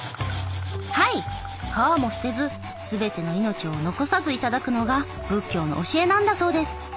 はい皮も捨てず全ての命を残さず頂くのが仏教の教えなんだそうです。